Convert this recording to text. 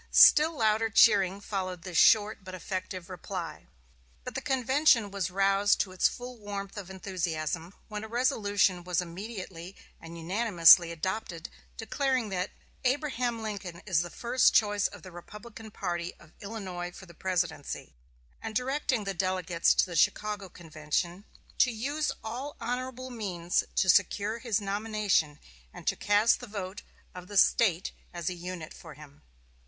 Still louder cheering followed this short, but effective reply. But the convention was roused to its full warmth of enthusiasm when a resolution was immediately and unanimously adopted declaring that "Abraham Lincoln is the first choice of the Republican party of Illinois for the Presidency," and directing the delegates to the Chicago convention "to use all honorable means to secure his nomination, and to cast the vote of the State as a unit for him."